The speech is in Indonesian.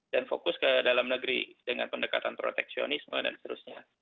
dan fokus ke dalam negeri dengan pendekatan proteksionisme dan seterusnya